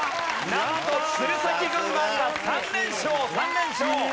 なんと鶴崎軍団が３連勝３連勝！